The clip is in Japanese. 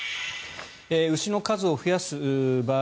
牛の数を増やす場合